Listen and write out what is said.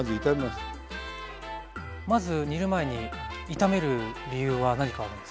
まず煮る前に炒める理由は何かあるんですか？